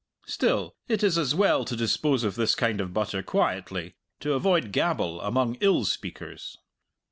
Still, it is as well to dispose of this kind of butter quietly, to avoid gabble among ill speakers.